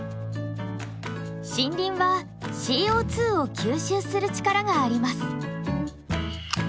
森林はＣＯを吸収する力があります。